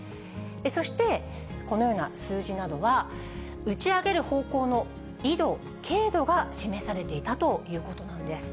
そしてこのような数字などは打ち上げる方向の緯度経度が示されていたということなんです。